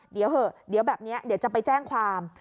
เดี๋ยวเหอะเดี๋ยวแบบนี้เดี๋ยวจะไปแจ้งความ